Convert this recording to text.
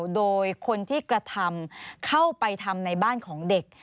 โดยคนที่กระทำเข้าไปทำในบ้านของเด็ก